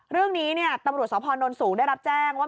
เรื่องนี้ตำรวจสพนสูงได้รับแจ้งว่า